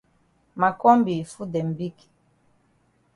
Ma kombi yi foot dem big.